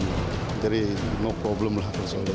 jadi no problem lah